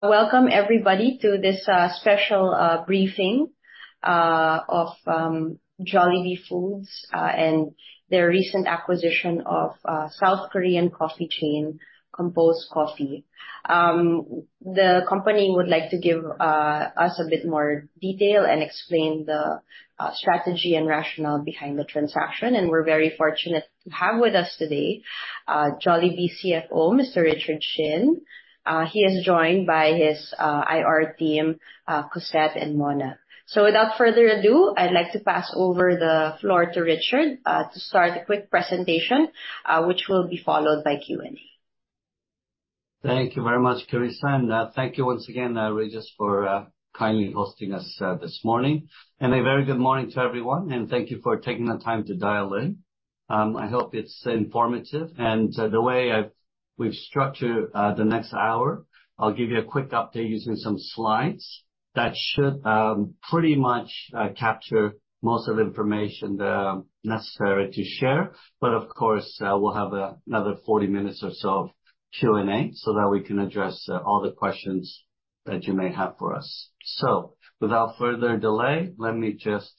...Welcome everybody to this special briefing of Jollibee Foods and their recent acquisition of South Korean coffee chain, Compose Coffee. The company would like to give us a bit more detail and explain the strategy and rationale behind the transaction, and we're very fortunate to have with us today Jollibee CFO, Mr. Richard Shin. He is joined by his IR team, Cosette and Mona. So without further ado, I'd like to pass over the floor to Richard to start a quick presentation, which will be followed by Q&A. Thank you very much, Clarissa, and thank you once again, Regis, for kindly hosting us this morning. A very good morning to everyone, and thank you for taking the time to dial in. I hope it's informative, and the way we've structured the next hour, I'll give you a quick update using some slides. That should pretty much capture most of the information that are necessary to share, but of course, we'll have another 40 minutes or so of Q&A, so that we can address all the questions that you may have for us. So without further delay, let me just...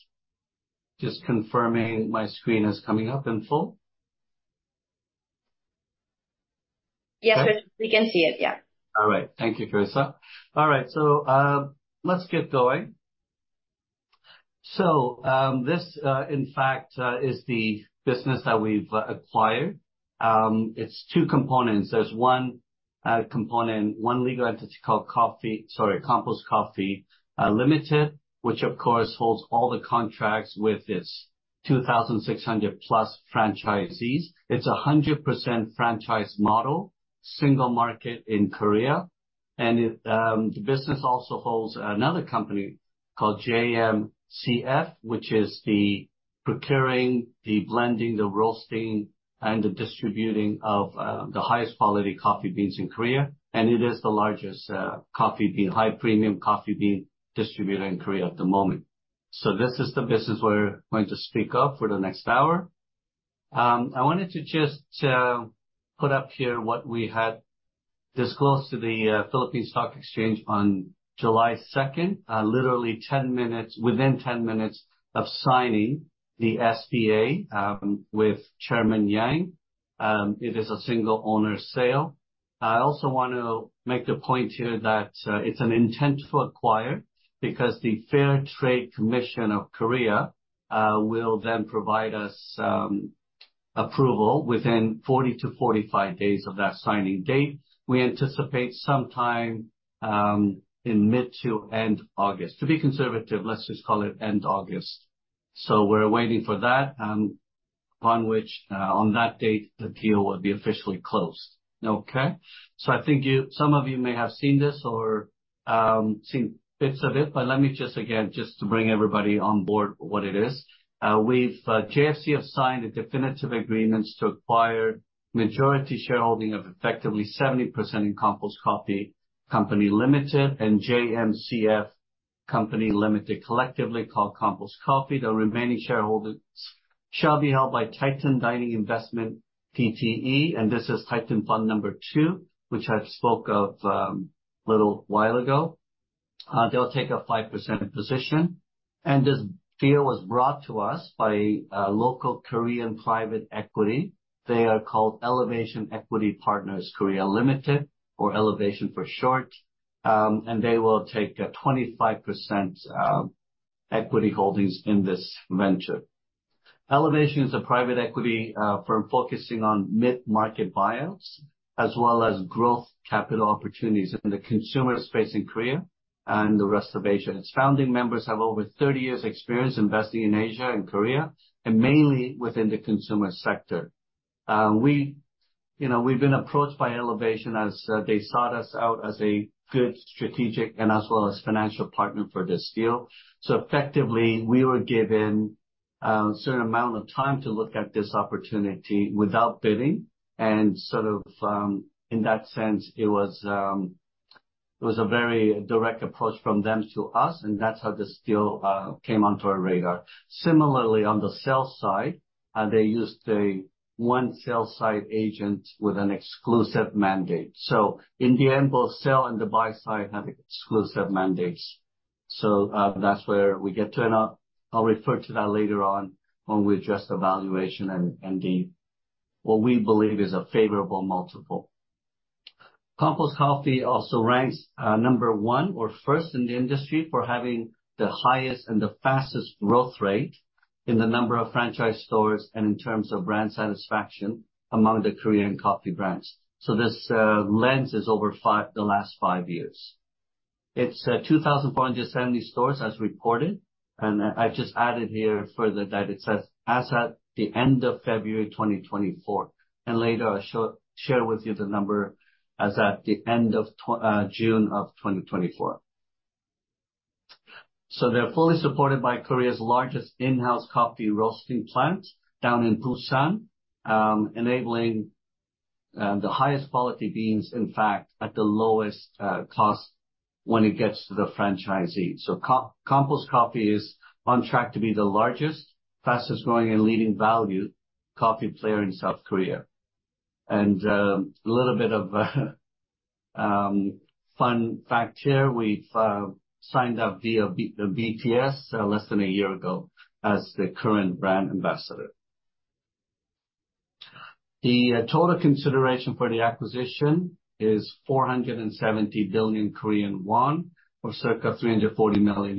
Just confirming my screen is coming up in full. Yes, Richard. Okay. We can see it, yeah. All right. Thank you, Clarissa. All right, so, let's get going. So, this, in fact, is the business that we've acquired. It's 2 components. There's 1 component, 1 legal entity called... Sorry, Compose Coffee Limited, which of course holds all the contracts with its 2,600+ franchisees. It's a 100% franchise model, single market in Korea, and it, the business also holds another company called JMCF, which is the procuring, the blending, the roasting, and the distributing of, the highest quality coffee beans in Korea, and it is the largest, coffee bean, high premium coffee bean distributor in Korea at the moment. So this is the business we're going to speak of for the next hour. I wanted to just put up here what we had disclosed to the Philippine Stock Exchange on July 2nd, literally 10 minutes, within 10 minutes of signing the SPA with Chairman Yang. It is a single owner sale. I also want to make the point here that it's an intent to acquire, because the Korea Fair Trade Commission will then provide us approval within 40 to 45 days of that signing date. We anticipate sometime in mid to end August. To be conservative, let's just call it end August. So we're waiting for that, and upon which, on that date, the deal will be officially closed. Okay? So I think you some of you may have seen this or seen bits of it, but let me just, again, just to bring everybody on board what it is. We've JFC have signed a definitive agreements to acquire majority shareholding of effectively 70% in Compose Coffee Company Limited and JMCF Company Limited, collectively called Compose Coffee. The remaining shareholders shall be held by Titan Dining Investment Pte, and this is Titan Fund number two, which I spoke of, little while ago. They'll take a 5% position. This deal was brought to us by a local Korean private equity. They are called Elevation Equity Partners Korea Limited, or Elevation for short, and they will take a 25% equity holdings in this venture. Elevation is a private equity firm focusing on mid-market buyouts, as well as growth capital opportunities in the consumer space in Korea and the rest of Asia. Its founding members have over 30 years' experience investing in Asia and Korea, and mainly within the consumer sector. You know, we've been approached by Elevation as they sought us out as a good strategic and as well as financial partner for this deal. So effectively, we were given a certain amount of time to look at this opportunity without bidding, and sort of, in that sense, it was a very direct approach from them to us, and that's how this deal came onto our radar. Similarly, on the sell side, they used a one sell-side agent with an exclusive mandate. So in the end, both the sell-side and the buy-side had exclusive mandates. So, that's where we get to, and I'll refer to that later on when we address the valuation and the... what we believe is a favorable multiple. Compose Coffee also ranks number one or first in the industry for having the highest and the fastest growth rate in the number of franchise stores and in terms of brand satisfaction among the Korean coffee brands. So this lens is over five, the last five years. It's two thousand four hundred and seventy stores as reported, and I've just added here further that it says, "As at the end of February 2024," and later I'll show, share with you the number as at the end of June of 2024. So they're fully supported by Korea's largest in-house coffee roasting plant down in Busan, enabling the highest quality beans, in fact, at the lowest cost when it gets to the franchisee. So Compose Coffee is on track to be the largest, fastest-growing, and leading value coffee player in South Korea... And, a little bit of, fun fact here. We've signed up V of BTS less than a year ago as the current brand ambassador. The total consideration for the acquisition is 470 billion Korean won, or circa $340 million.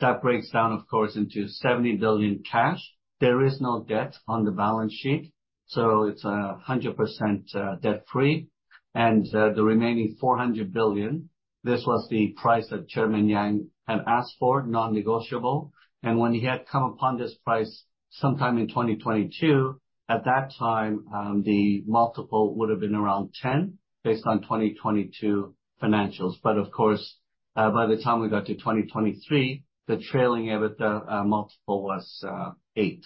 That breaks down, of course, into 70 billion cash. There is no debt on the balance sheet, so it's 100% debt-free. And the remaining 400 billion, this was the price that Chairman Yang had asked for, non-negotiable. And when he had come upon this price sometime in 2022, at that time, the multiple would have been around 10, based on 2022 financials. But of course, by the time we got to 2023, the trailing EBITDA multiple was 8x.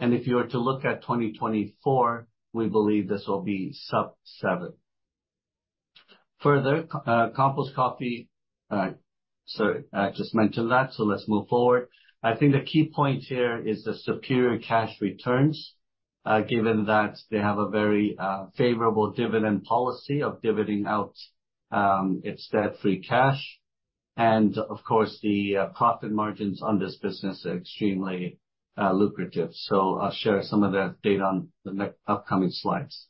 And if you were to look at 2024, we believe this will be sub-7x. Further, Compose Coffee... Sorry, I just mentioned that, so let's move forward. I think the key point here is the superior cash returns, given that they have a very favorable dividend policy of divvying out its debt-free cash. And of course, the profit margins on this business are extremely lucrative. So I'll share some of that data on the next upcoming slides.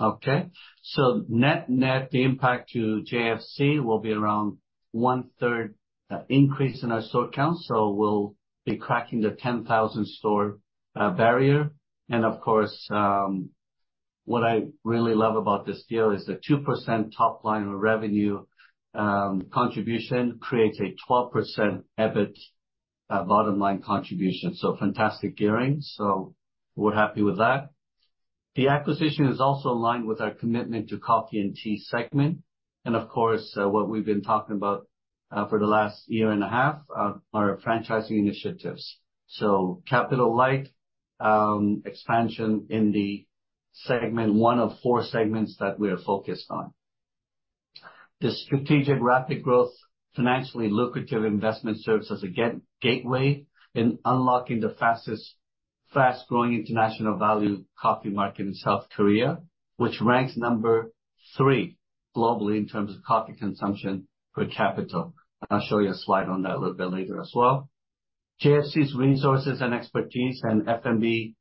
Okay. So net-net, the impact to JFC will be around one-third increase in our store count, so we'll be cracking the 10,000-store barrier. Of course, what I really love about this deal is the 2% top line of revenue contribution creates a 12% EBIT bottom line contribution. So fantastic gearing, so we're happy with that. The acquisition is also aligned with our commitment to coffee and tea segment, and of course, what we've been talking about for the last year and a half, our franchising initiatives. So capital light expansion in the segment, one of four segments that we are focused on. The strategic rapid growth, financially lucrative investment serves as a gateway in unlocking the fastest-growing international value coffee market in South Korea, which ranks number 3 globally in terms of coffee consumption per capita. I'll show you a slide on that a little bit later as well. JFC's resources and expertise in F&B,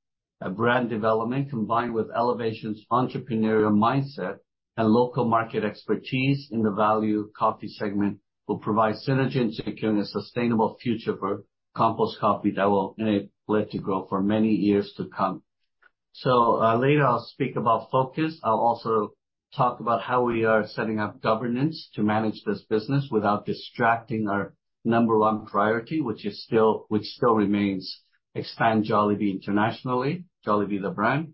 brand development, combined with Elevation's entrepreneurial mindset and local market expertise in the value coffee segment, will provide synergy in securing a sustainable future for Compose Coffee that will enable it to grow for many years to come. So, later I'll speak about focus. I'll also talk about how we are setting up governance to manage this business without distracting our number one priority, which is still, which still remains expand Jollibee internationally, Jollibee, the brand.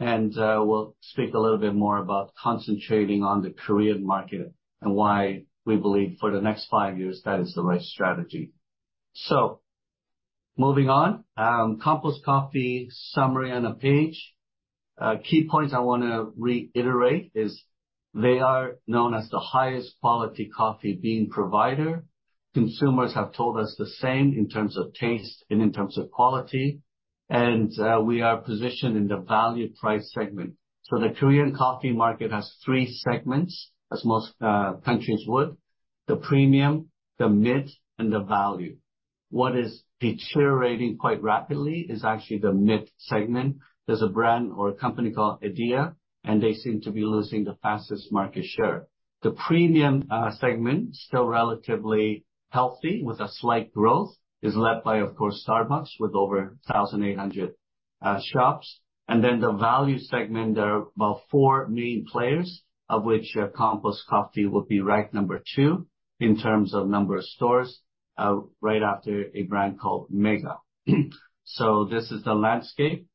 And, we'll speak a little bit more about concentrating on the Korean market and why we believe for the next five years, that is the right strategy. So moving on, Compose Coffee summary on a page. Key points I wanna reiterate is they are known as the highest quality coffee bean provider. Consumers have told us the same in terms of taste and in terms of quality, and we are positioned in the value price segment. So the Korean coffee market has three segments, as most countries would: the premium, the mid, and the value. What is deteriorating quite rapidly is actually the mid segment. There's a brand or a company called Ediya, and they seem to be losing the fastest market share. The premium segment, still relatively healthy, with a slight growth, is led by, of course, Starbucks, with over 1,800 shops. And then the value segment, there are about four main players, of which Compose Coffee would be ranked number two in terms of number of stores, right after a brand called Mega. So this is the landscape.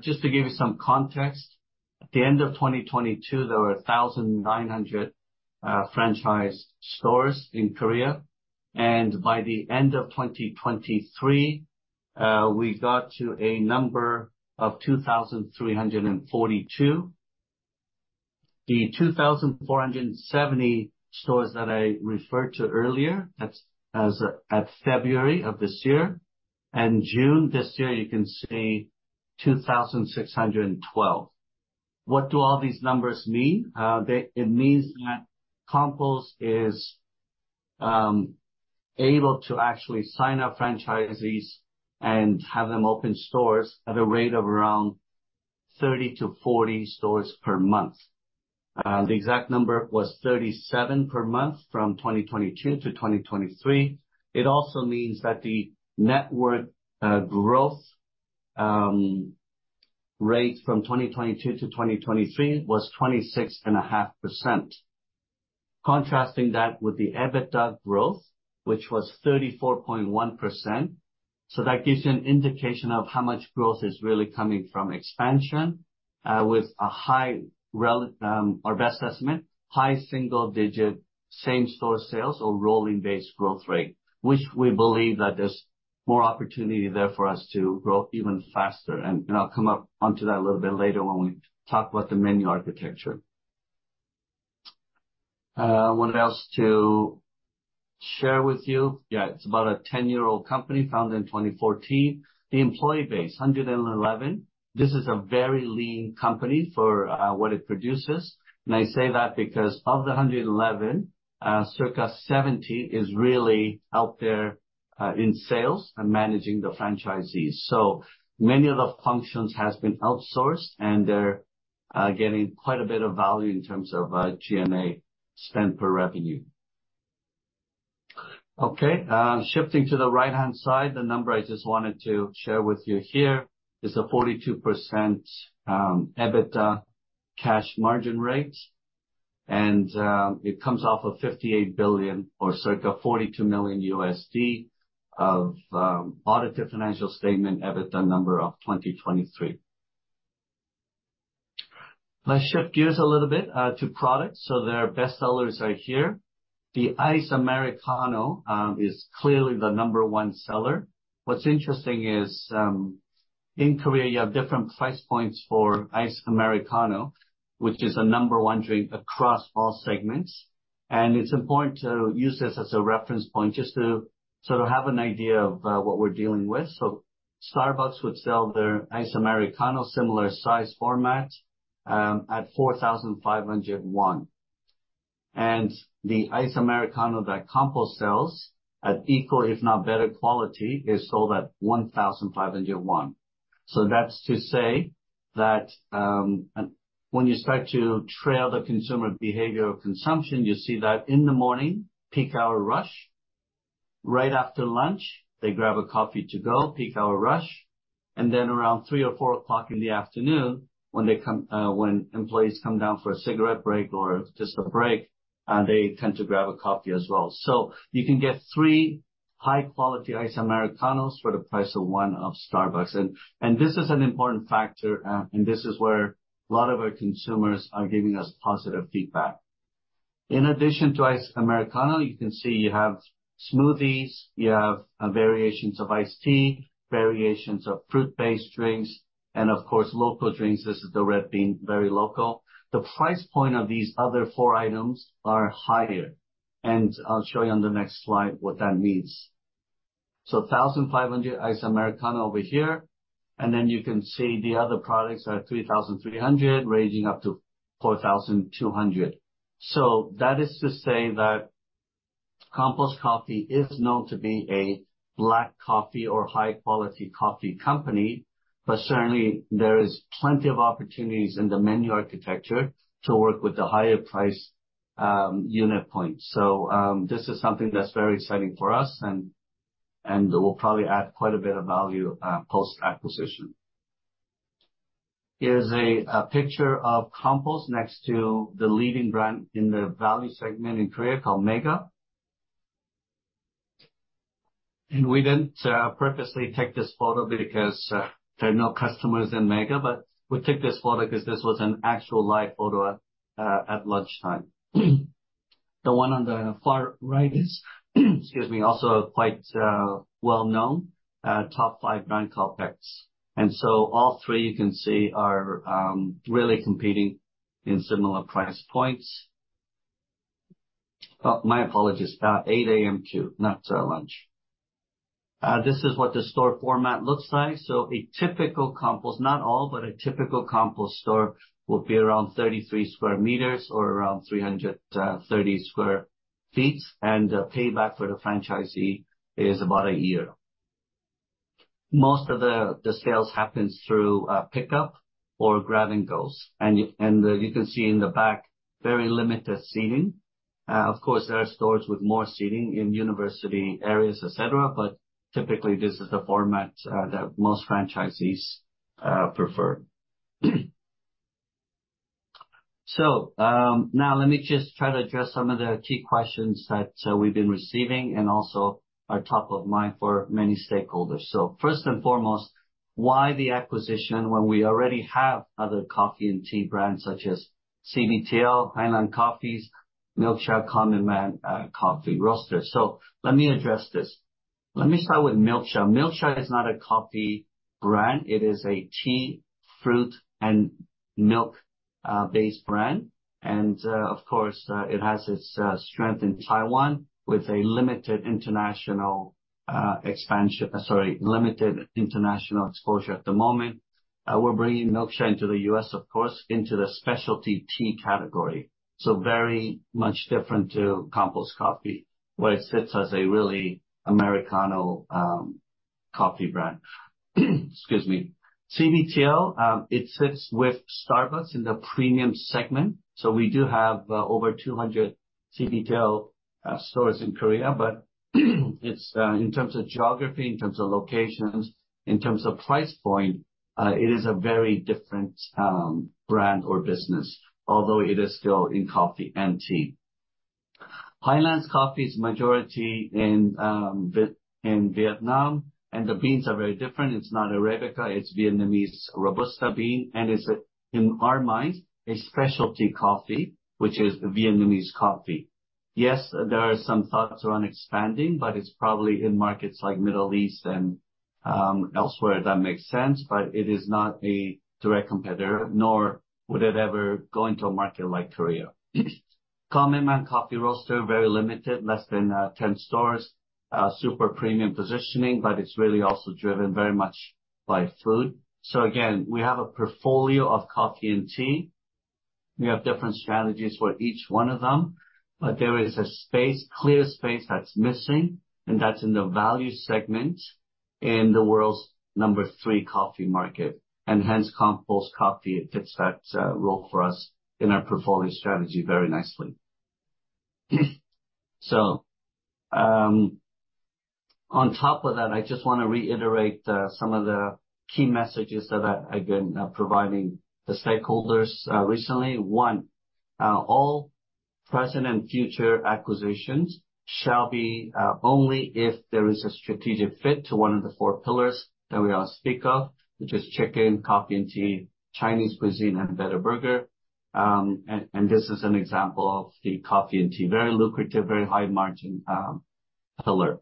Just to give you some context, at the end of 2022, there were 1,900 franchise stores in Korea, and by the end of 2023, we got to a number of 2,342. The 2,470 stores that I referred to earlier, that's as at February of this year, and June this year, you can see 2,612. What do all these numbers mean? They, it means that Compose is able to actually sign up franchisees and have them open stores at a rate of around 30-40 stores per month. The exact number was 37 per month from 2022 to 2023. It also means that the net worth growth rate from 2022 to 2023 was 26.5%. Contrasting that with the EBITDA growth, which was 34.1%. So that gives you an indication of how much growth is really coming from expansion, with a high or best estimate, high single digit, same store sales or rolling base growth rate, which we believe that there's more opportunity there for us to grow even faster, and, and I'll come up onto that a little bit later when we talk about the menu architecture. What else to share with you? Yeah, it's about a 10-year-old company, founded in 2014. The employee base, 111. This is a very lean company for what it produces. I say that because of the 111, circa 70 is really out there in sales and managing the franchisees. So many of the functions has been outsourced, and they're getting quite a bit of value in terms of G&A spend per revenue. Okay, shifting to the right-hand side, the number I just wanted to share with you here is a 42% EBITDA cash margin rate, and it comes off of 58 billion or circa $42 million of audited financial statement EBITDA number of 2023. Let's shift gears a little bit to products. So their best sellers are here. The Iced Americano is clearly the number one seller. What's interesting is, in Korea, you have different price points for Iced Americano, which is the number one drink across all segments. It's important to use this as a reference point just to sort of have an idea of what we're dealing with. So Starbucks would sell their Iced Americano, similar size format, at 4,500 KRW. And the Iced Americano that Compose sells at equal, if not better quality, is sold at 1,500 KRW. So that's to say that, when you start to trail the consumer behavior of consumption, you see that in the morning, peak hour rush, right after lunch, they grab a coffee to go, peak hour rush, and then around three or four o'clock in the afternoon, when they come, when employees come down for a cigarette break or just a break, they tend to grab a coffee as well. So you can get three high-quality Iced Americanos for the price of one of Starbucks. This is an important factor, and this is where a lot of our consumers are giving us positive feedback. In addition to Iced Americano, you can see you have smoothies, you have variations of iced tea, variations of fruit-based drinks, and of course, local drinks. This is the red bean, very local. The price point of these other four items are higher, and I'll show you on the next slide what that means. So 1,500 Iced Americano over here, and then you can see the other products are 3,300, ranging up to 4,200. So that is to say that Compose Coffee is known to be a black coffee or high-quality coffee company, but certainly there is plenty of opportunities in the menu architecture to work with the higher price, unit point. So, this is something that's very exciting for us and will probably add quite a bit of value post-acquisition. Here is a picture of Compose next to the leading brand in the value segment in Korea called Mega. We didn't purposely take this photo because there are no customers in Mega, but we took this photo because this was an actual live photo at lunchtime. The one on the far right is, excuse me, also quite well-known top five brand called Paik's. So all three you can see are really competing in similar price points. Oh, my apologies. 8:00 A.M. too, not lunch. This is what the store format looks like. So a typical Compose, not all, but a typical Compose store will be around 33 square meters or around 330 sq ft, and the payback for the franchisee is about a year. Most of the sales happens through pickup or grab-and-gos. And you can see in the back, very limited seating. Of course, there are stores with more seating in university areas, et cetera, but typically, this is the format that most franchisees prefer. So, now let me just try to address some of the key questions that we've been receiving and also are top of mind for many stakeholders. So first and foremost, why the acquisition, when we already have other coffee and tea brands such as CBTL, Highlands Coffee, Milksha, Common Man Coffee Roasters? So let me address this. Let me start with Milksha. Milksha is not a coffee brand. It is a tea, fruit, and milk based brand. And of course it has its strength in Taiwan with a limited international expansion. Sorry, limited international exposure at the moment. We're bringing Milksha into the U.S., of course, into the specialty tea category. So very much different to Compose Coffee, where it sits as a really Americano coffee brand. Excuse me. CBTL it sits with Starbucks in the premium segment, so we do have over 200 CBTL stores in Korea. But it's in terms of geography, in terms of locations, in terms of price point it is a very different brand or business, although it is still in coffee and tea. Highlands Coffee is majority in Vietnam, and the beans are very different. It's not Arabica, it's Vietnamese Robusta bean, and it's a, in our minds, a specialty coffee, which is the Vietnamese coffee.... Yes, there are some thoughts around expanding, but it's probably in markets like Middle East and elsewhere that makes sense, but it is not a direct competitor, nor would it ever go into a market like Korea. Common Man Coffee Roasters, very limited, less than 10 stores, super premium positioning, but it's really also driven very much by food. So again, we have a portfolio of coffee and tea. We have different strategies for each one of them, but there is a space, clear space that's missing, and that's in the value segment in the world's number 3 coffee market, and hence, Compose Coffee fits that role for us in our portfolio strategy very nicely. So, on top of that, I just wanna reiterate some of the key messages that I've been providing the stakeholders recently. One, all present and future acquisitions shall be only if there is a strategic fit to one of the four pillars that we all speak of, which is chicken, coffee and tea, Chinese cuisine, and better burger. And this is an example of the coffee and tea. Very lucrative, very high margin pillar.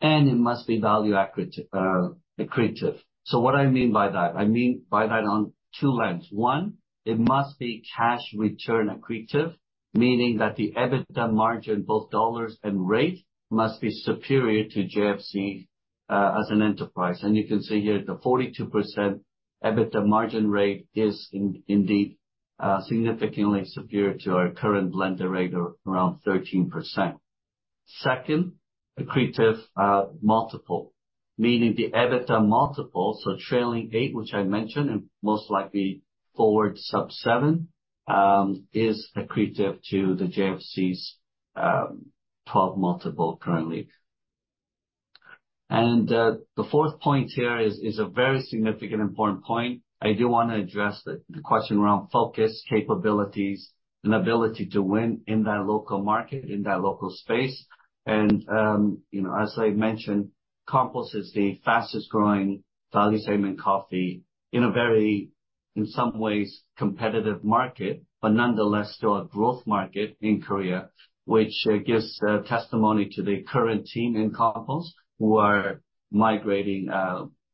And it must be value accretive. So what I mean by that? I mean by that on two fronts. One, it must be cash return accretive, meaning that the EBITDA margin, both dollars and rate, must be superior to JFC as an enterprise. And you can see here, the 42% EBITDA margin rate is indeed significantly superior to our current blended rate around 13%. Second, accretive multiple, meaning the EBITDA multiple, so trailing 8, which I mentioned, and most likely forward sub-7, is accretive to the JFC's 12 multiple currently. And the fourth point here is a very significant important point. I do wanna address the question around focus, capabilities, and ability to win in that local market, in that local space. And you know, as I mentioned, Compose is the fastest growing value segment coffee in a very, in some ways, competitive market, but nonetheless, still a growth market in Korea, which gives testimony to the current team in Compose who are migrating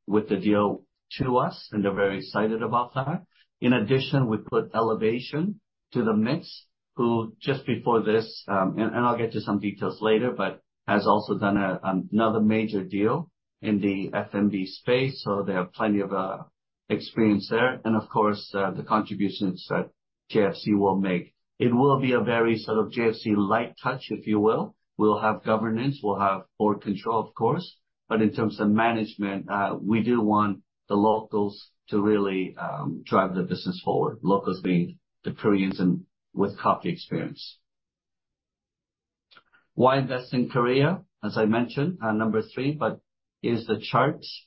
with the deal to us, and they're very excited about that. In addition, we put Elevation to the mix, who just before this, and I'll get to some details later, but has also done another major deal in the F&B space, so they have plenty of experience there, and of course, the contributions that JFC will make. It will be a very sort of JFC light touch, if you will. We'll have governance, we'll have board control, of course, but in terms of management, we do want the locals to really drive the business forward. Locals being the Koreans and with coffee experience. Why invest in Korea? As I mentioned, number three, but here's the charts.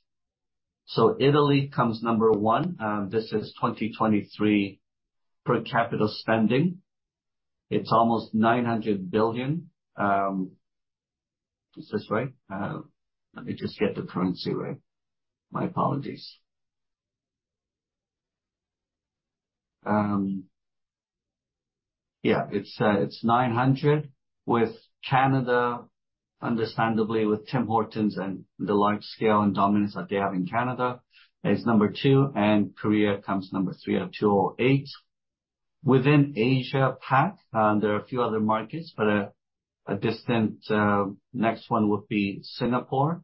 So Italy comes number one, this is 2023 per capita spending. It's almost $900 billion. Is this right? Let me just get the currency right. My apologies. Yeah, it's 900, with Canada, understandably, with Tim Hortons and the large scale and dominance that they have in Canada, is number two, and Korea comes number three at 208. Within Asia Pac, there are a few other markets, but a distant next one would be Singapore,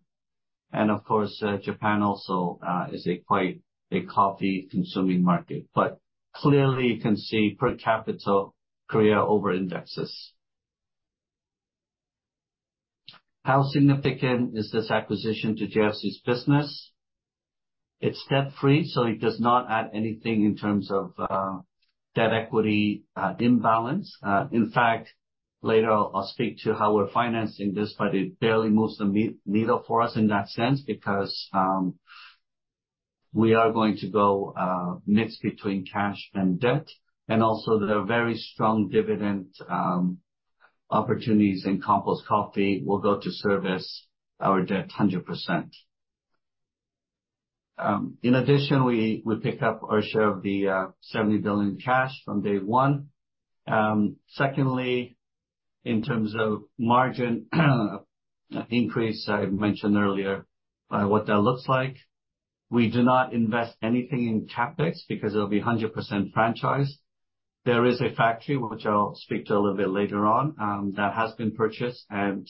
and of course, Japan also is quite a coffee-consuming market. But clearly, you can see per capita, Korea over-indexes. How significant is this acquisition to JFC's business? It's debt-free, so it does not add anything in terms of debt-equity imbalance. In fact, later I'll speak to how we're financing this, but it barely moves the needle for us in that sense, because we are going to go mix between cash and debt, and also there are very strong dividend opportunities in Compose Coffee will go to service our debt 100%. In addition, we pick up our share of the 70 billion cash from day one. Secondly, in terms of margin increase, I mentioned earlier what that looks like. We do not invest anything in CapEx because it'll be a 100% franchise. There is a factory, which I'll speak to a little bit later on, that has been purchased, and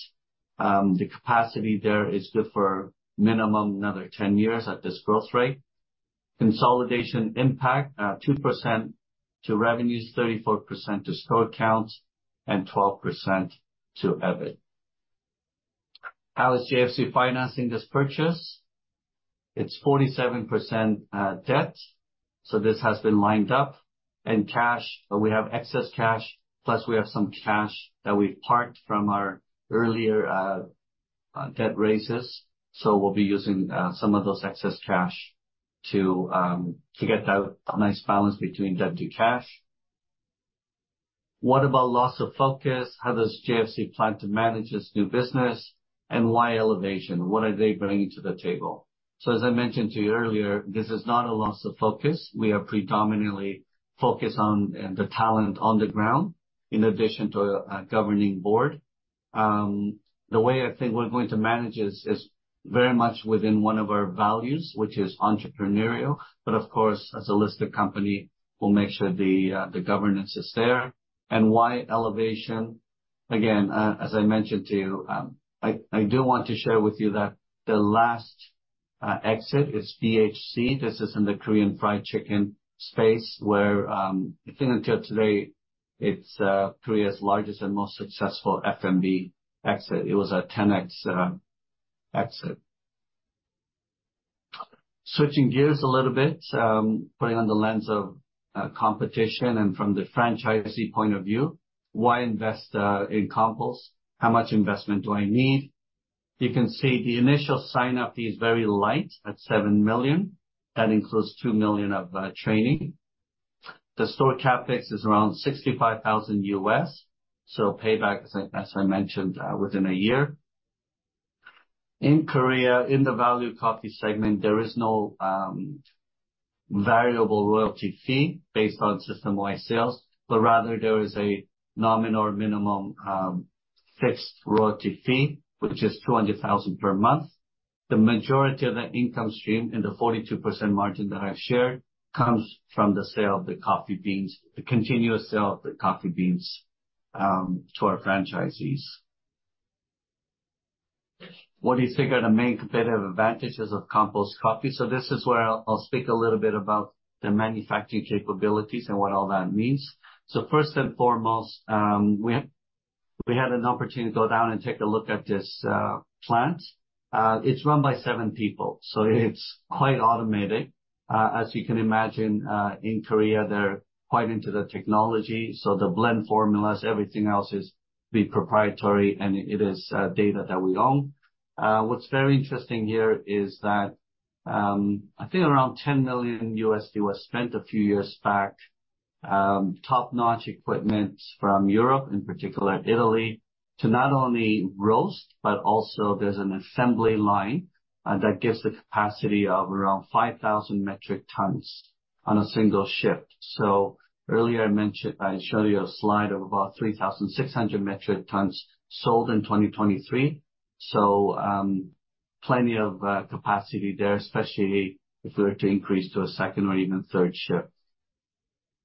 the capacity there is good for minimum another 10 years at this growth rate. Consolidation impact, 2% to revenues, 34% to store counts, and 12% to EBIT. How is JFC financing this purchase? It's 47% debt, so this has been lined up. Cash, we have excess cash, plus we have some cash that we've parked from our earlier debt raises, so we'll be using some of those excess cash to to get that nice balance between debt to cash. What about loss of focus? How does JFC plan to manage this new business, and why Elevation? What are they bringing to the table?... So as I mentioned to you earlier, this is not a loss of focus. We are predominantly focused on, and the talent on the ground, in addition to a governing board. The way I think we're going to manage this is very much within one of our values, which is entrepreneurial, but of course, as a listed company, we'll make sure the governance is there. And why Elevation? Again, as I mentioned to you, I do want to share with you that the last exit is BHC. This is in the Korean fried chicken space, where I think until today, it's Korea's largest and most successful F&B exit. It was a 10x exit. Switching gears a little bit, putting on the lens of competition and from the franchisee point of view, why invest in Compose? How much investment do I need? You can see the initial sign up is very light at 7 million. That includes 2 million of training. The store CapEx is around $65,000, so payback, as I, as I mentioned, within a year. In Korea, in the value coffee segment, there is no variable royalty fee based on system-wide sales, but rather there is a nominal or minimum fixed royalty fee, which is 200,000 per month. The majority of the income stream and the 42% margin that I've shared comes from the sale of the coffee beans, the continuous sale of the coffee beans to our franchisees. What do you think are the main competitive advantages of Compose Coffee? So this is where I'll, I'll speak a little bit about the manufacturing capabilities and what all that means. So first and foremost, we had an opportunity to go down and take a look at this plant. It's run by seven people, so it's quite automated. As you can imagine, in Korea, they're quite into the technology, so the blend formulas, everything else is proprietary, and it is data that we own. What's very interesting here is that, I think around $10 million was spent a few years back, top-notch equipment from Europe, in particular Italy, to not only roast, but also there's an assembly line that gives the capacity of around 5,000 metric tons on a single shift. So earlier I mentioned... I showed you a slide of about 3,600 metric tons sold in 2023. So, plenty of capacity there, especially if we were to increase to a second or even third shift,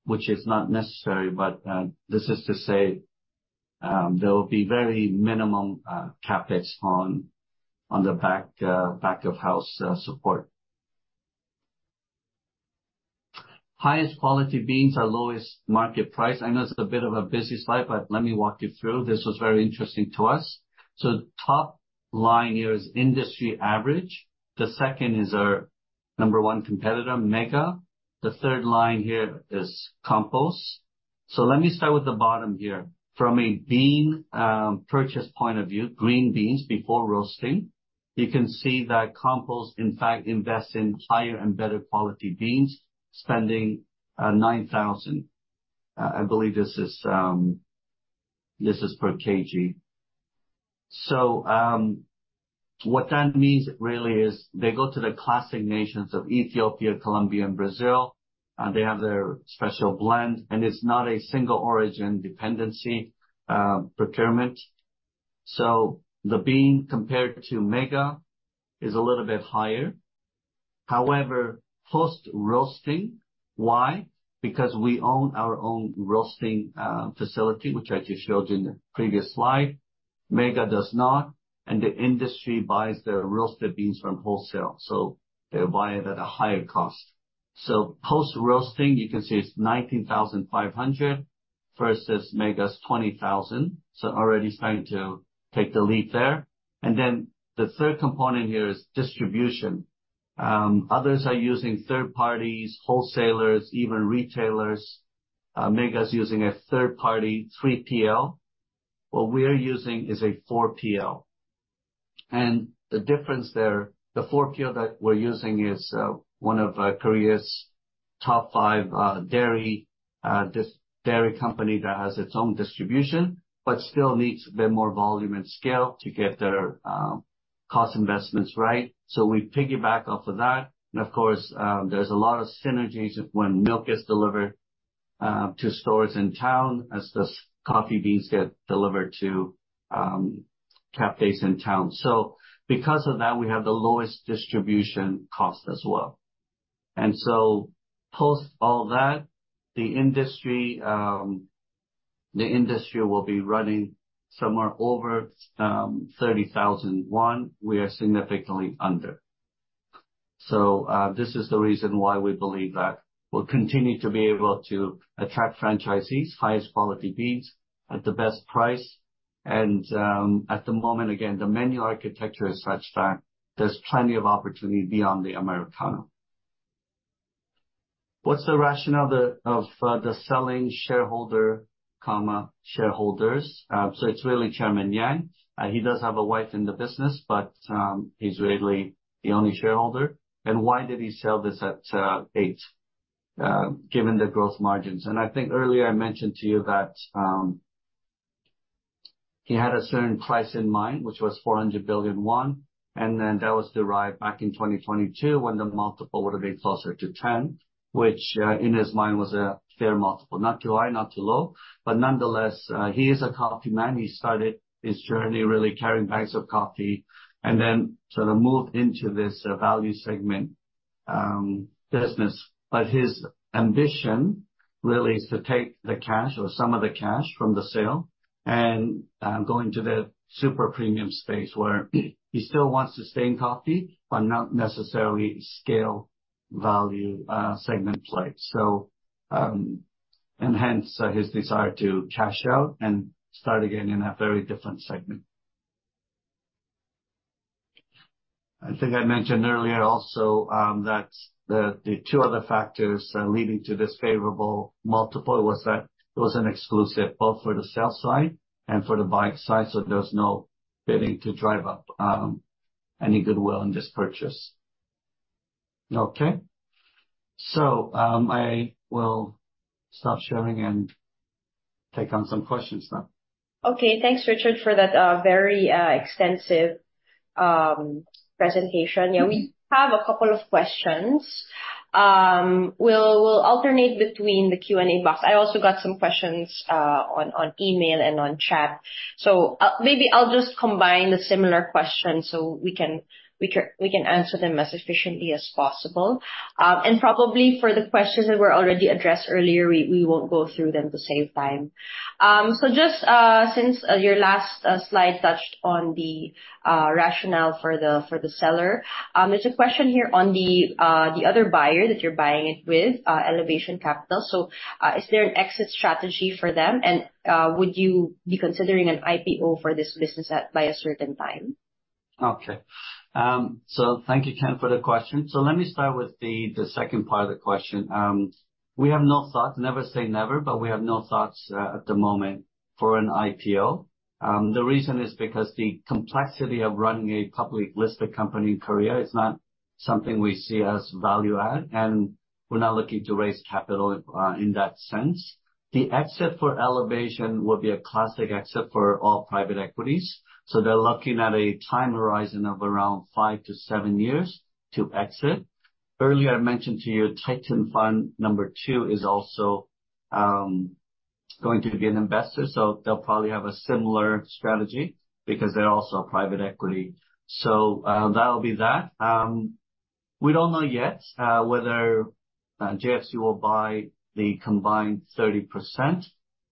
which is not necessary, but this is to say, there will be very minimum CapEx on the back of house support. Highest quality beans are lowest market price. I know it's a bit of a busy slide, but let me walk you through. This was very interesting to us. So top line here is industry average. The second is our number one competitor, Mega. The third line here is Compose. So let me start with the bottom here. From a bean purchase point of view, green beans before roasting, you can see that Compose, in fact, invests in higher and better quality beans, spending 9,000. I believe this is per kg. So, what that means really is they go to the classic nations of Ethiopia, Colombia, and Brazil, and they have their special blend, and it's not a single origin dependency, procurement. So the bean, compared to Mega, is a little bit higher. However, post-roasting, why? Because we own our own roasting facility, which I just showed you in the previous slide. Mega does not, and the industry buys their roasted beans from wholesale, so they buy it at a higher cost. So post-roasting, you can see it's 19,500 versus Mega's 20,000. So already starting to take the lead there. And then the third component here is distribution. Others are using third parties, wholesalers, even retailers. Mega is using a third-party, 3PL. What we are using is a 4PL. And the difference there, the 4PL that we're using is, one of, Korea's top five, dairy, this dairy company that has its own distribution, but still needs a bit more volume and scale to get their, cost investments right. So we piggyback off of that. And of course, there's a lot of synergies when milk is delivered, to stores in town as the coffee beans get delivered to, cafes in town. So because of that, we have the lowest distribution cost as well. And so post all that, the industry, the industry will be running somewhere over, 30,000 KRW. We are significantly under. So, this is the reason why we believe that we'll continue to be able to attract franchisees, highest quality beans at the best price. At the moment, again, the menu architecture is such that there's plenty of opportunity beyond the Americano. What's the rationale of the selling shareholder, shareholders? So it's really Chairman Yang. He does have a wife in the business, but he's really the only shareholder. Why did he sell this at eight, given the growth margins? I think earlier I mentioned to you that he had a certain price in mind, which was 400 billion won, and then that was derived back in 2022, when the multiple would have been closer to 10, which, in his mind, was a fair multiple, not too high, not too low. But nonetheless, he is a coffee man. He started his journey really carrying bags of coffee and then sort of moved into this, value segment, business. But his ambition really is to take the cash or some of the cash from the sale and, go into the super premium space, where he still wants to stay in coffee, but not necessarily scale value, segment play. So, and hence, his desire to cash out and start again in a very different segment. I think I mentioned earlier also, that the, the two other factors, leading to this favorable multiple was that it was an exclusive both for the sell side and for the buy side, so there was no bidding to drive up, any goodwill in this purchase. Okay? So, I will stop sharing and take on some questions now. Okay, thanks, Richard, for that very extensive presentation. Yeah, we have a couple of questions. We'll alternate between the Q&A box. I also got some questions on email and on chat. So, maybe I'll just combine the similar questions so we can answer them as efficiently as possible. And probably for the questions that were already addressed earlier, we won't go through them to save time. So just since your last slide touched on the rationale for the seller, there's a question here on the other buyer that you're buying it with, Elevation Equity Partners. So, is there an exit strategy for them? And would you be considering an IPO for this business at, by a certain time? Okay. So thank you, Ken, for the question. So let me start with the second part of the question. We have no thoughts. Never say never, but we have no thoughts at the moment for an IPO. The reason is because the complexity of running a public listed company in Korea is not something we see as value add, and we're not looking to raise capital in that sense. The exit for Elevation will be a classic exit for all private equities, so they're looking at a time horizon of around 5-7 years to exit. Earlier, I mentioned to you, Titan Fund 2 is also going to be an investor, so they'll probably have a similar strategy because they're also a private equity. So, that'll be that. We don't know yet whether JSU will buy the combined 30%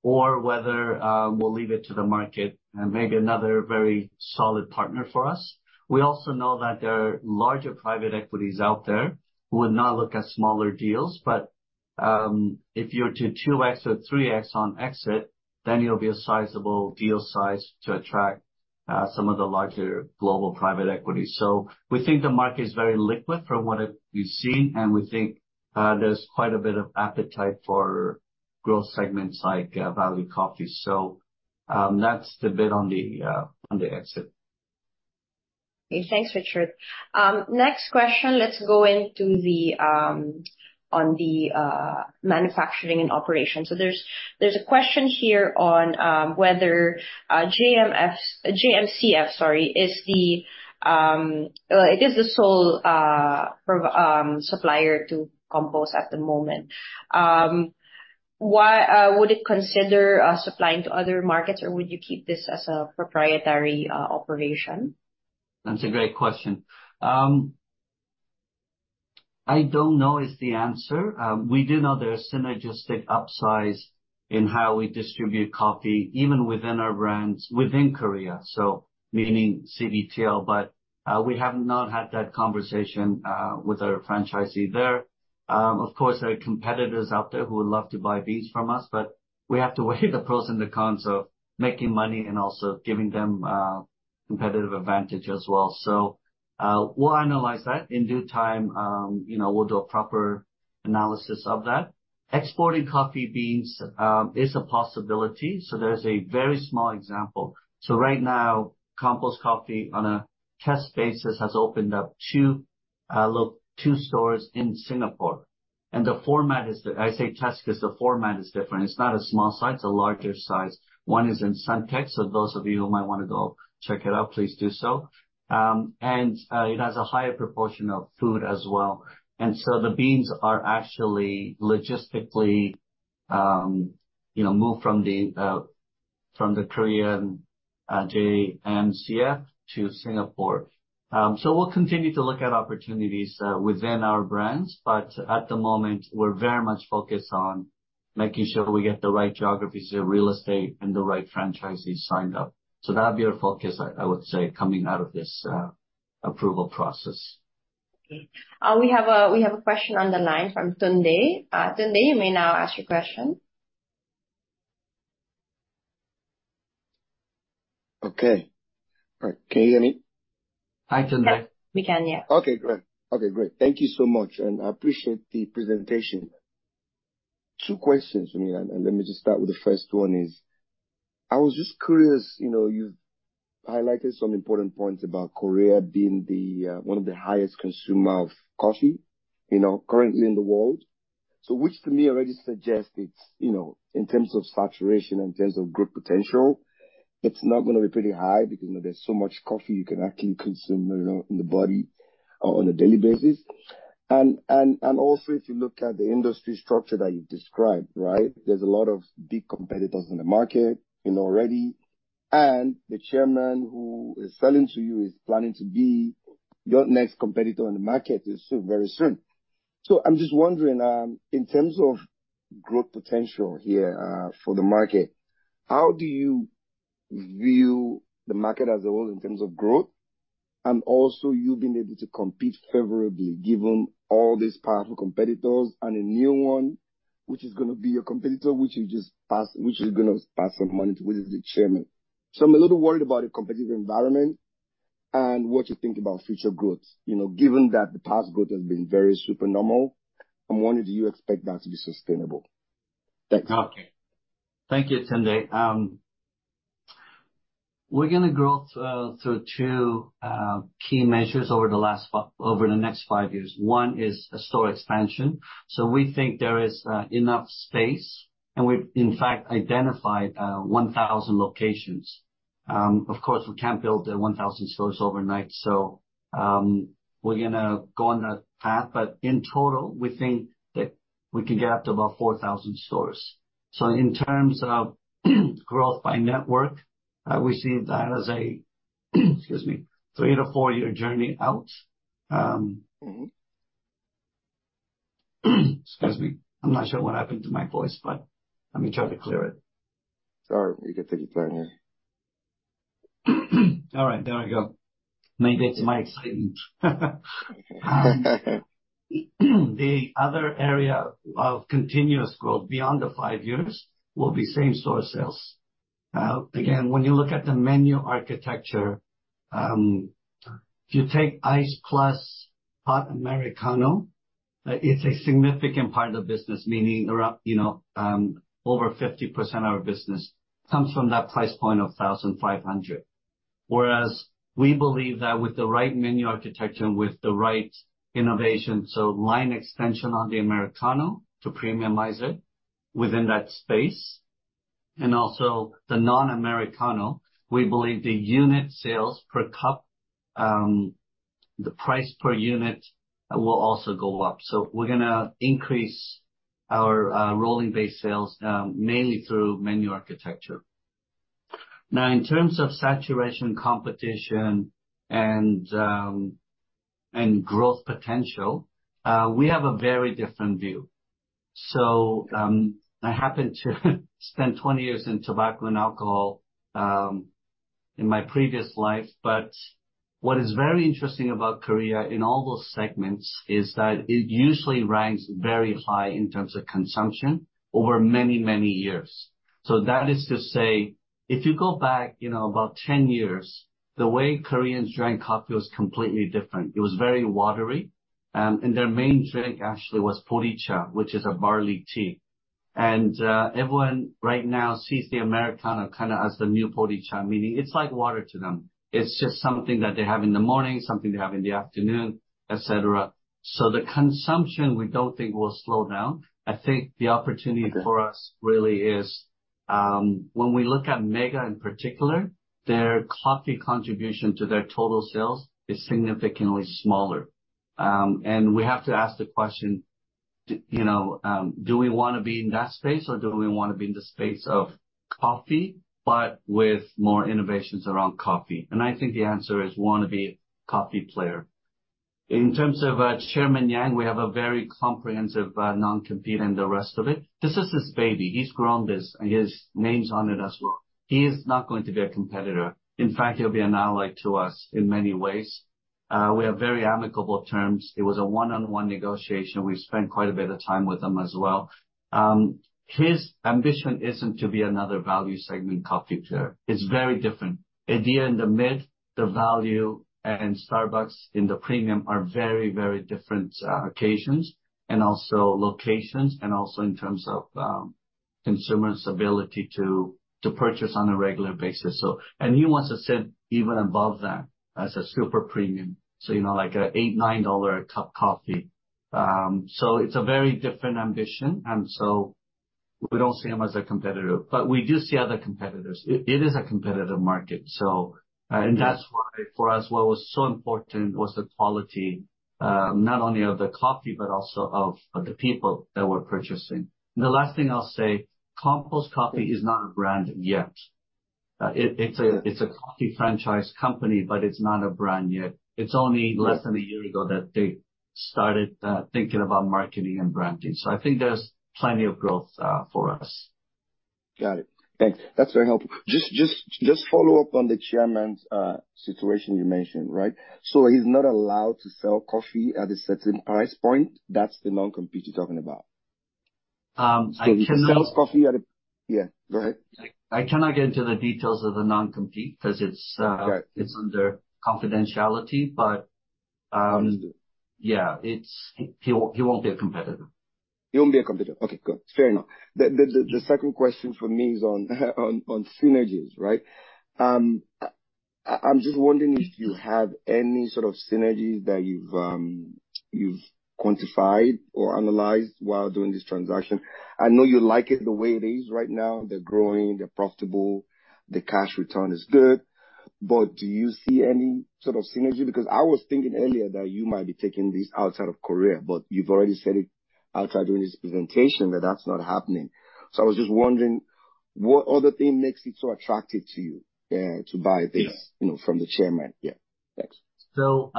or whether we'll leave it to the market and maybe another very solid partner for us. We also know that there are larger private equities out there who would not look at smaller deals, but if you're to 2x or 3x on exit, then you'll be a sizable deal size to attract some of the larger global private equity. So we think the market is very liquid from what we've seen, and we think there's quite a bit of appetite for growth segments like value coffee. So that's the bit on the exit. Okay. Thanks, Richard. Next question, let's go into the manufacturing and operations. So there's a question here on whether JMCF, sorry, is the sole supplier to Compose at the moment. Why would it consider supplying to other markets, or would you keep this as a proprietary operation? That's a great question. I don't know is the answer. We do know there are synergistic upsize in how we distribute coffee, even within our brands, within Korea, so meaning CBTL, but we have not had that conversation with our franchisee there. Of course, there are competitors out there who would love to buy beans from us, but we have to weigh the pros and the cons of making money and also giving them competitive advantage as well. So, we'll analyze that. In due time, you know, we'll do a proper analysis of that. Exporting coffee beans is a possibility, so there's a very small example. So right now, Compose Coffee, on a test basis, has opened up two stores in Singapore. And the format is. I say test, 'cause the format is different. It's not a small size, it's a larger size. One is in Suntec, so those of you who might wanna go check it out, please do so. It has a higher proportion of food as well. So the beans are actually logistically, you know, moved from the Korean JMCF to Singapore. So we'll continue to look at opportunities within our brands, but at the moment, we're very much focused on making sure we get the right geographies, the real estate and the right franchisees signed up. So that would be our focus, I would say, coming out of this approval process. We have a question on the line from Tunde. Tunde, you may now ask your question. Okay. All right. Can you hear me? Hi, Tunde. We can, yeah. Okay, great. Okay, great. Thank you so much, and I appreciate the presentation. Two questions for me, and, and let me just start with the first one, is I was just curious, you know, you've-... highlighted some important points about Korea being the one of the highest consumer of coffee, you know, currently in the world. So which to me already suggests it's, you know, in terms of saturation, in terms of growth potential, it's not gonna be pretty high because, you know, there's so much coffee you can actually consume, you know, in the body on a daily basis. And also, if you look at the industry structure that you've described, right? There's a lot of big competitors in the market, you know, already, and the chairman who is selling to you is planning to be your next competitor in the market very soon. I'm just wondering, in terms of growth potential here, for the market, how do you view the market as a whole in terms of growth, and also you being able to compete favorably, given all these powerful competitors and a new one, which is gonna be your competitor, which you just passed, which is gonna pass some money to the chairman? I'm a little worried about your competitive environment and what you think about future growth. You know, given that the past growth has been very supernormal, I'm wondering, do you expect that to be sustainable? Thanks. Okay. Thank you, Tunde. We're gonna grow through two key measures over the next 5 years. One is a store expansion, so we think there is enough space, and we've in fact identified 1,000 locations. Of course, we can't build the 1,000 stores overnight, so we're gonna go on that path. But in total, we think that we can get up to about 4,000 stores. So in terms of growth by network, we see that as a 3- to 4-year journey out. Mm-hmm. Excuse me. I'm not sure what happened to my voice, but let me try to clear it. Sure, you can take your time here. All right, there we go. Maybe it's my excitement. The other area of continuous growth beyond the five years will be same store sales. Again, when you look at the menu architecture, if you take Iced Plus Hot Americano, it's a significant part of the business, meaning, around, you know, over 50% of our business comes from that price point of 1,500. Whereas, we believe that with the right menu architecture, with the right innovation, so line extension on the Americano to premiumize it within that space, and also the non-Americano, we believe the unit sales per cup, the price per unit, will also go up. So we're gonna increase our, rolling base sales, mainly through menu architecture. Now, in terms of saturation, competition, and growth potential, we have a very different view. So, I happened to spend 20 years in tobacco and alcohol, in my previous life, but what is very interesting about Korea in all those segments is that it usually ranks very high in terms of consumption over many, many years. So that is to say, if you go back, you know, about 10 years, the way Koreans drank coffee was completely different. It was very watery, and their main drink actually was boricha, which is a barley tea. And, everyone right now sees the Americano kinda as the new boricha, meaning it's like water to them. It's just something that they have in the morning, something they have in the afternoon, et cetera. So the consumption, we don't think will slow down. I think the opportunity for us really is, when we look at MEGA in particular, their coffee contribution to their total sales is significantly smaller. And we have to ask the question, you know, do we wanna be in that space, or do we wanna be in the space of coffee, but with more innovations around coffee? And I think the answer is, we wanna be a coffee player. In terms of Chairman Yang, we have a very comprehensive non-compete and the rest of it. This is his baby. He's grown this, and his name's on it as well. He is not going to be a competitor. In fact, he'll be an ally to us in many ways. We are very amicable terms. It was a one-on-one negotiation. We've spent quite a bit of time with him as well. His ambition isn't to be another value segment coffee player. It's very different. Ediya in the mid, the value, and Starbucks in the premium are very, very different occasions, and also locations, and also in terms of consumers' ability to purchase on a regular basis. So, he wants to sit even above that as a super premium, so, you know, like an $8-$9-a-cup coffee. So it's a very different ambition, and so we don't see him as a competitor. But we do see other competitors. It is a competitive market. So, that's why, for us, what was so important was the quality, not only of the coffee but also of the people that we're purchasing. The last thing I'll say, Compose Coffee is not a brand yet. It's a coffee franchise company, but it's not a brand yet. It's only less than a year ago that they started thinking about marketing and branding. So I think there's plenty of growth for us. Got it. Thanks. That's very helpful. Just follow up on the chairman's situation you mentioned, right? So he's not allowed to sell coffee at a certain price point. That's the non-compete you're talking about? I cannot- So he can sell coffee at a... Yeah, go ahead. I cannot get into the details of the non-compete, 'cause it's, Got it. It's under confidentiality, but, yeah, it's... He won't be a competitor.... It won't be a competitor. Okay, good. Fair enough. The second question for me is on synergies, right? I'm just wondering if you have any sort of synergies that you've quantified or analyzed while doing this transaction. I know you like it the way it is right now. They're growing, they're profitable, the cash return is good, but do you see any sort of synergy? Because I was thinking earlier that you might be taking this outside of Korea, but you've already said it outside during this presentation that that's not happening. So I was just wondering, what other thing makes it so attractive to you to buy this- Yeah. You know, from the chairman? Yeah. Thanks. So,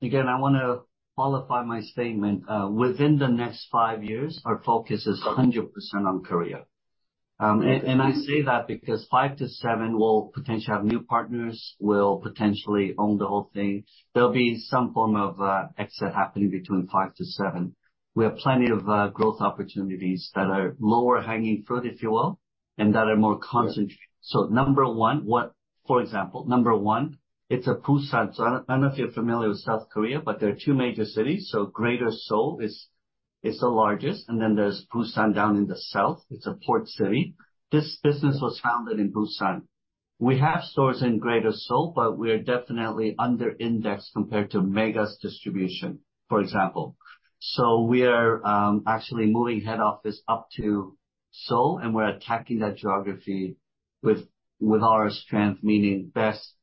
again, I wanna qualify my statement. Within the next 5 years, our focus is 100% on Korea. And I say that because 5-7, we'll potentially have new partners, we'll potentially own the whole thing. There'll be some form of exit happening between 5-7. We have plenty of growth opportunities that are lower-hanging fruit, if you will, and that are more constant. Yeah. So number one, for example, number one, it's Busan. So I don't, I don't know if you're familiar with South Korea, but there are two major cities. So Greater Seoul is the largest, and then there's Busan down in the south. It's a port city. This business was founded in Busan. We have stores in Greater Seoul, but we're definitely under indexed compared to MEGA's distribution, for example. So we are actually moving head office up to Seoul, and we're attacking that geography with our strength, meaning best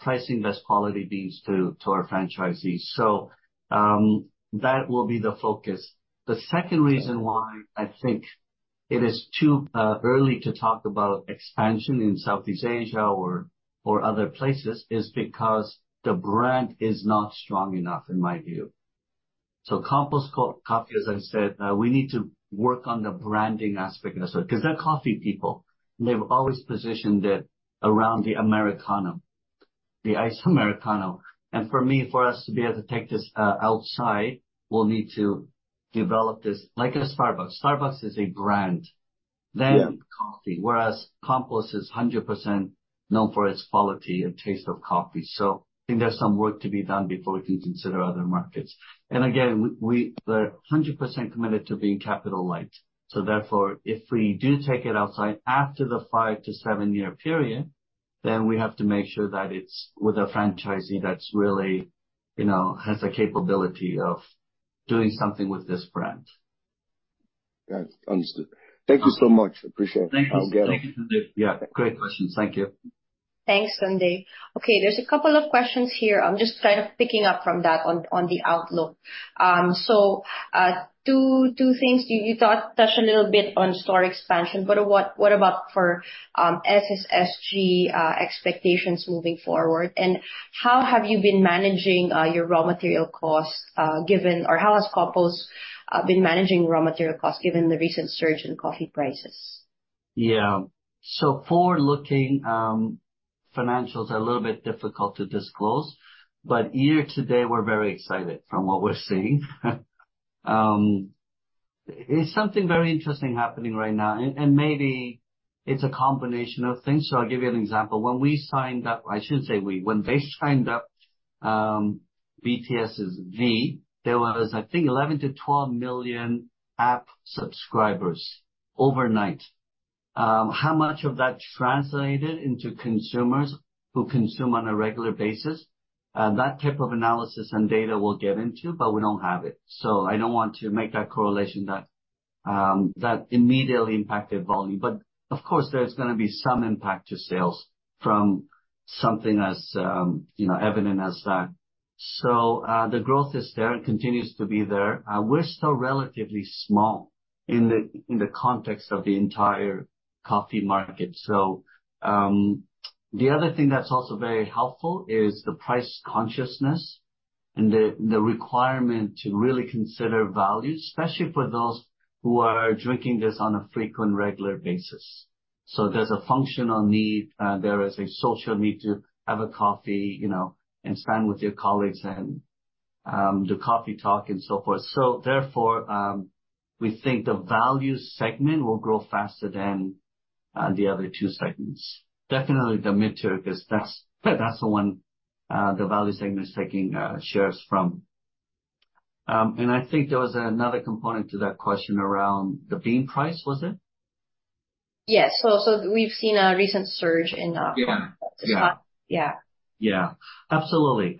pricing, best quality beans to our franchisees. So that will be the focus. The second reason why I think it is too early to talk about expansion in Southeast Asia or other places is because the brand is not strong enough, in my view. Compose Coffee, as I said, we need to work on the branding aspect of it. 'Cause they're coffee people, and they've always positioned it around the Americano, the iced Americano. For me, for us to be able to take this outside, we'll need to develop this, like a Starbucks. Starbucks is a brand- Yeah. Then coffee, whereas Compose is 100% known for its quality and taste of coffee. So I think there's some work to be done before we can consider other markets. And again, we’re 100% committed to being capital light. So therefore, if we do take it outside after the 5-7-year period, then we have to make sure that it's with a franchisee that's really, you know, has the capability of doing something with this brand. Got it. Understood. Um- Thank you so much. Appreciate it. Thank you. I'll get on. Thank you, Tunde. Yeah, great question. Thank you. Thanks, Tunde. Okay, there's a couple of questions here. I'm just kind of picking up from that, on the outlook. So, two things. You thought touch a little bit on store expansion, but what about for SSSG expectations moving forward? And how have you been managing your raw material costs, given... Or how has Compose been managing raw material costs, given the recent surge in coffee prices? Yeah. So forward-looking financials are a little bit difficult to disclose, but year-to-date, we're very excited from what we're seeing. It's something very interesting happening right now, and maybe it's a combination of things. So I'll give you an example. When we signed up... I shouldn't say we, when they signed up BTS' V, there was, I think, 11-12 million app subscribers overnight. How much of that translated into consumers who consume on a regular basis? That type of analysis and data we'll get into, but we don't have it, so I don't want to make that correlation that that immediately impacted volume. But of course, there's gonna be some impact to sales from something as, you know, evident as that. So the growth is there and continues to be there. We're still relatively small in the context of the entire coffee market. So, the other thing that's also very helpful is the price consciousness and the requirement to really consider value, especially for those who are drinking this on a frequent, regular basis. So there's a functional need, there is a social need to have a coffee, you know, and spend with your colleagues and do coffee talk and so forth. So therefore, we think the value segment will grow faster than the other two segments. Definitely the mid-tier, because that's the one the value segment is taking shares from. And I think there was another component to that question around the bean price, was it? Yes. So, so we've seen a recent surge in, Yeah. Yeah. Yeah. Absolutely.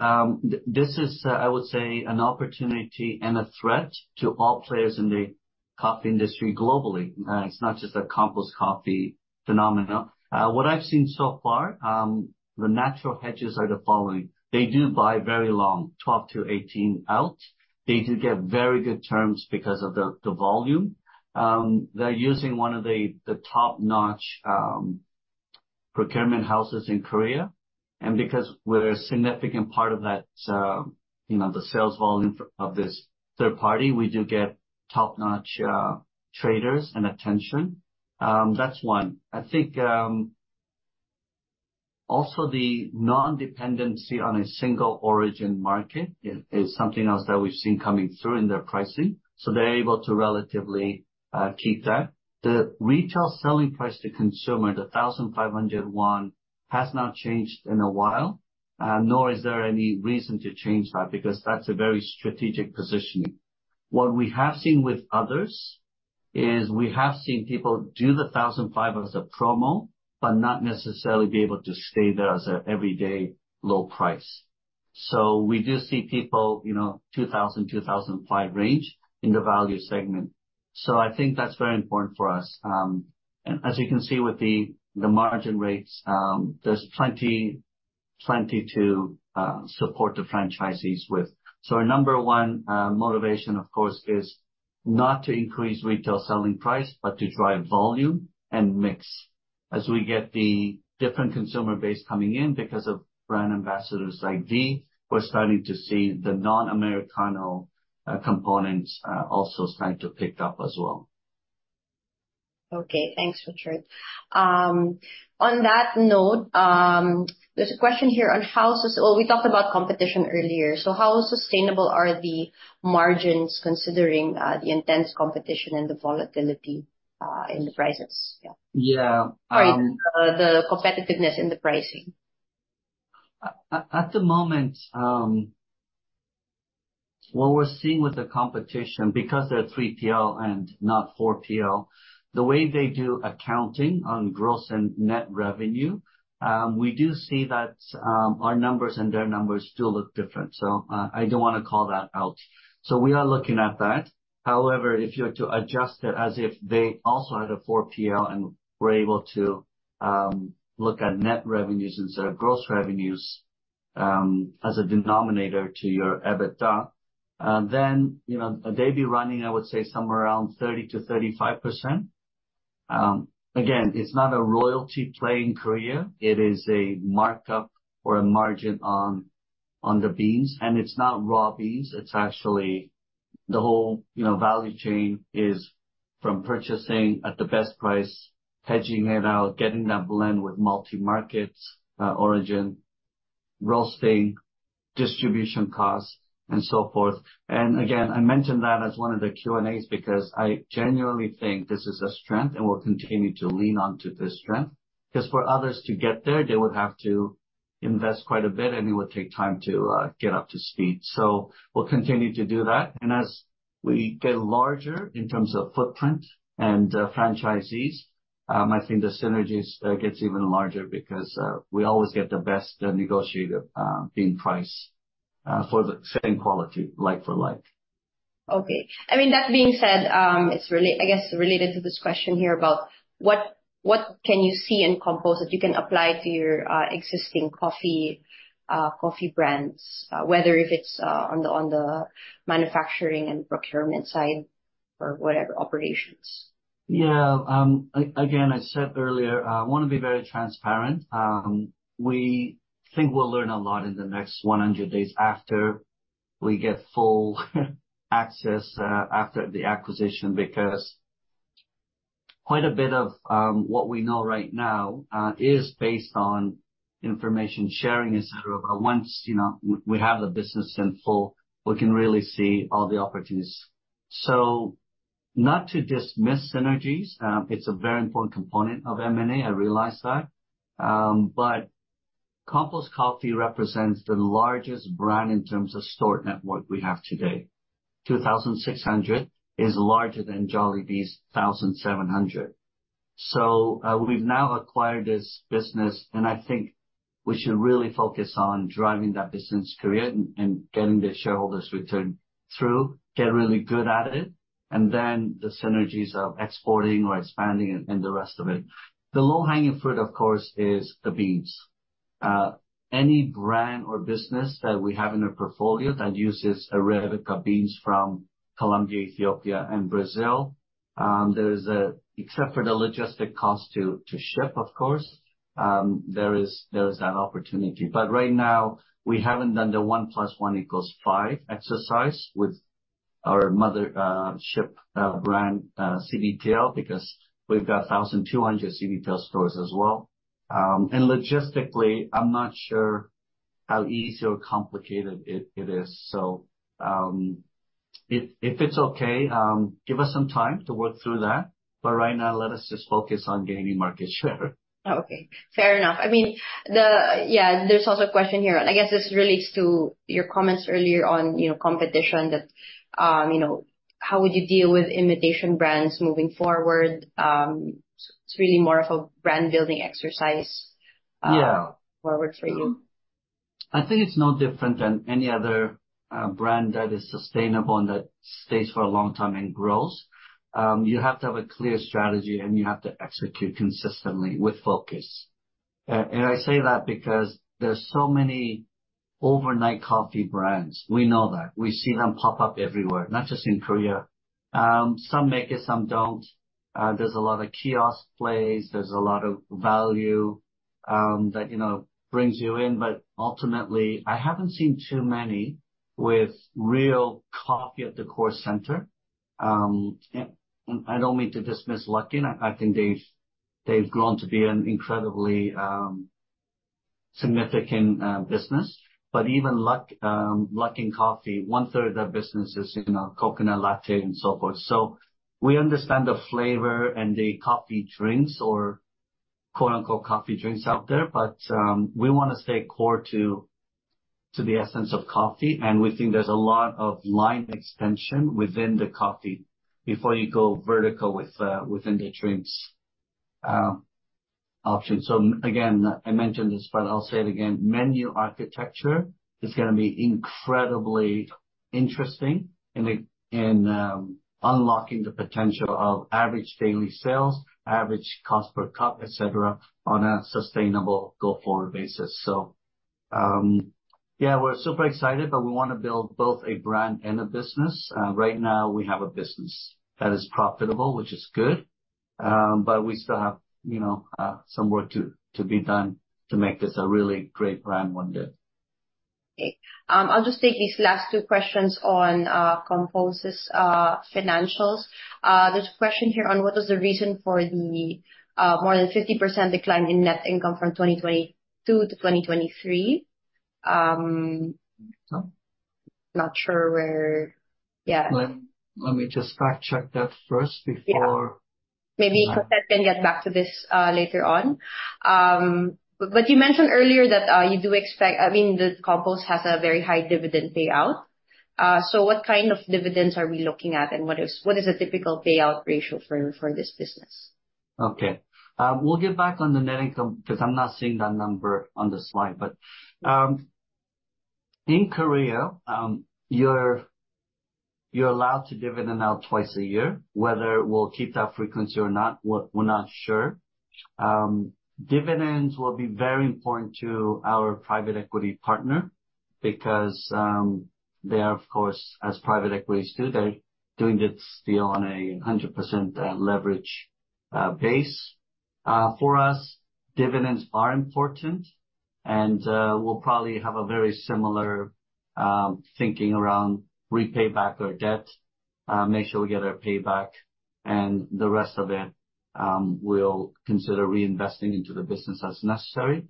This is, I would say, an opportunity and a threat to all players in the coffee industry globally. It's not just a Compose Coffee phenomenon. What I've seen so far, the natural hedges are the following: They do buy very long, 12-18 out. They do get very good terms because of the, the volume. They're using one of the, the top-notch, procurement houses in Korea, and because we're a significant part of that, you know, the sales volume of this third party, we do get top-notch, traders and attention. That's one. I think, also the non-dependency on a single origin market is, something else that we've seen coming through in their pricing, so they're able to relatively, keep that. The retail selling price to consumer, 1,500 won, has not changed in a while, nor is there any reason to change that, because that's a very strategic positioning. What we have seen with others is we have seen people do 1,500 as a promo, but not necessarily be able to stay there as an everyday low price. So we do see people, you know, 2,000-2,500 range in the value segment. So I think that's very important for us. And as you can see with the, the margin rates, there's plenty, plenty to support the franchisees with. So our number one motivation, of course, is not to increase retail selling price, but to drive volume and mix. As we get the different consumer base coming in because of brand ambassadors like V, we're starting to see the non-Americano components also starting to pick up as well. Okay, thanks, Richard. On that note, there's a question here on how, well, we talked about competition earlier. So how sustainable are the margins considering the intense competition and the volatility in the prices? Yeah. Yeah, um- Sorry, the competitiveness in the pricing. At the moment, what we're seeing with the competition, because they're 3PL and not 4PL, the way they do accounting on gross and net revenue, we do see that our numbers and their numbers do look different. So, I don't wanna call that out. So we are looking at that. However, if you were to adjust it as if they also had a 4PL and were able to look at net revenues instead of gross revenues as a denominator to your EBITDA, then, you know, they'd be running, I would say, somewhere around 30%-35%. Again, it's not a royalty play in Korea. It is a markup or a margin on the beans, and it's not raw beans. It's actually the whole, you know, value chain is from purchasing at the best price, hedging it out, getting that blend with multi-markets, origin, roasting, distribution costs, and so forth. And again, I mentioned that as one of the Q&As, because I genuinely think this is a strength and will continue to lean on to this strength. Because for others to get there, they would have to invest quite a bit, and it would take time to get up to speed. So we'll continue to do that. And as we get larger in terms of footprint and franchisees, I think the synergies gets even larger because we always get the best negotiated bean price for the same quality, like for like. Okay. I mean, that being said, it's related—I guess—to this question here about what can you see in Compose that you can apply to your existing coffee brands, whether if it's on the manufacturing and procurement side or whatever operations? Yeah. Again, I said earlier, I wanna be very transparent. We think we'll learn a lot in the next 100 days after we get full access, after the acquisition, because quite a bit of what we know right now is based on information sharing, et cetera. But once, you know, we have the business in full, we can really see all the opportunities. So not to dismiss synergies, it's a very important component of M&A, I realize that. But Compose Coffee represents the largest brand in terms of store network we have today. 2,600 is larger than Jollibee's 1,700. So, we've now acquired this business, and I think we should really focus on driving that business forward and getting the shareholders return through getting really good at it, and then the synergies of exporting or expanding and the rest of it. The low-hanging fruit, of course, is the beans. Any brand or business that we have in our portfolio that uses Arabica beans from Colombia, Ethiopia, and Brazil, except for the logistics cost to ship, of course, there is an opportunity. But right now, we haven't done the one plus one equals five exercise with our mothership brand, CBTL, because we've got 1,200 CBTL stores as well. And logistically, I'm not sure how easy or complicated it is. So, if it's okay, give us some time to work through that. But right now, let us just focus on gaining market share. Okay, fair enough. I mean, Yeah, there's also a question here, and I guess this relates to your comments earlier on, you know, competition, that, you know, how would you deal with imitation brands moving forward? It's really more of a brand building exercise. Yeah. Forward for you. I think it's no different than any other brand that is sustainable and that stays for a long time and grows. You have to have a clear strategy, and you have to execute consistently with focus. And I say that because there's so many overnight coffee brands. We know that. We see them pop up everywhere, not just in Korea. Some make it, some don't. There's a lot of kiosk plays, there's a lot of value that, you know, brings you in. But ultimately, I haven't seen too many with real coffee at the core center. And I don't mean to dismiss Luckin Coffee. I think they've grown to be an incredibly significant business. But even Luckin Coffee, one-third of that business is, you know, coconut latte and so forth. So we understand the flavor and the coffee drinks or quote, unquote, "coffee drinks" out there, but we wanna stay core to the essence of coffee, and we think there's a lot of line extension within the coffee before you go vertical with within the drinks option. So again, I mentioned this, but I'll say it again, menu architecture is gonna be incredibly interesting in unlocking the potential of average daily sales, average cost per cup, et cetera, on a sustainable go-forward basis. So, yeah, we're super excited, but we wanna build both a brand and a business. Right now, we have a business that is profitable, which is good, but we still have, you know, some work to be done to make this a really great brand one day. Okay. I'll just take these last two questions on Compose's financials. There's a question here on: What is the reason for the more than 50% decline in net income from 2022 to 2023? Not sure where... Yeah. Let me just fact-check that first before- Yeah. Maybe Cosette can get back to this, later on. But you mentioned earlier that, you do expect... I mean, the Compose has a very high dividend payout. So what kind of dividends are we looking at, and what is, what is a typical payout ratio for, for this business? Okay. We'll get back on the net income, 'cause I'm not seeing that number on the slide. But in Korea, you're allowed to dividend out twice a year. Whether we'll keep that frequency or not, we're not sure. Dividends will be very important to our private equity partner because they are, of course, as private equities do, they're doing this deal on a 100% leverage base. For us, dividends are important, and we'll probably have a very similar thinking around repay back our debt, make sure we get our payback, and the rest of it, we'll consider reinvesting into the business as necessary.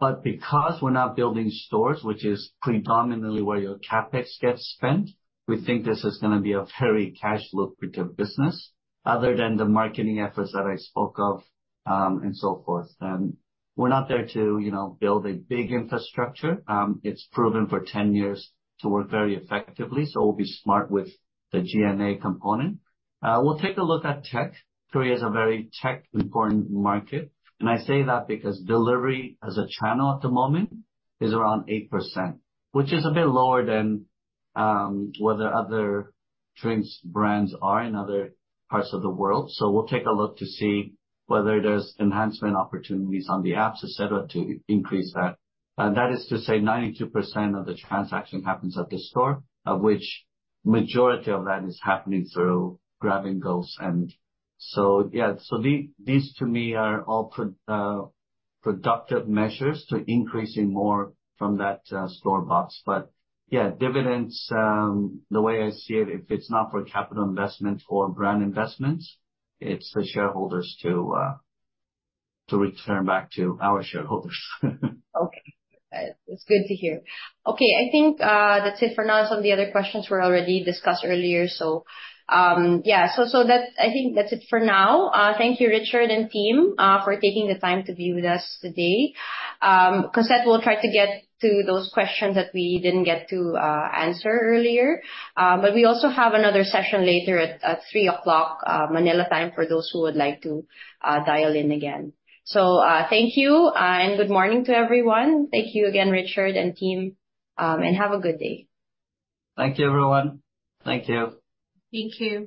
But because we're not building stores, which is predominantly where your CapEx gets spent, we think this is gonna be a very cash lucrative business, other than the marketing efforts that I spoke of, and so forth. We're not there to, you know, build a big infrastructure. It's proven for 10 years to work very effectively, so we'll be smart with the G&A component. We'll take a look at tech. Korea is a very tech-important market, and I say that because delivery as a channel at the moment is around 8%, which is a bit lower than where the other drinks brands are in other parts of the world. So we'll take a look to see whether there's enhancement opportunities on the apps, et cetera, to increase that. That is to say 92% of the transaction happens at the store, of which majority of that is happening through Grab and GoSend. So yeah, these to me are all pro, productive measures to increasing more from that store box. But yeah, dividends, the way I see it, if it's not for capital investment or brand investments, it's for shareholders to return back to our shareholders. Okay. It's good to hear. Okay, I think that's it for now. Some of the other questions were already discussed earlier, so yeah, so that's it for now. I think that's it for now. Thank you, Richard and team, for taking the time to be with us today. Cosette will try to get to those questions that we didn't get to answer earlier. But we also have another session later at 3:00 P.M. Manila time, for those who would like to dial in again. So, thank you, and good morning to everyone. Thank you again, Richard and team, and have a good day. Thank you, everyone. Thank you. Thank you.